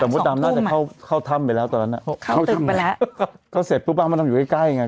แต่มันตามน่าจะเข้าท่ำไปแล้วตอนนั้นเข้าตึกไปแล้วเขาเสร็จปุ๊บบ้านมาทำอยู่ใกล้ใกล้ไง